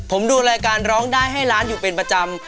ผมดูรายการร้องได้ให้ล้านอยู่เป็นประจำ